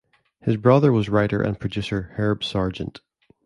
His brother was writer and producer Herb Sargent.